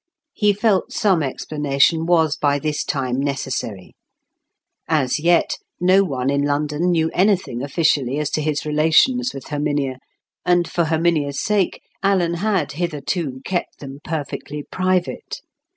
He felt some explanation was by this time necessary. As yet no one in London knew anything officially as to his relations with Herminia; and for Herminia's sake, Alan had hitherto kept them perfectly private.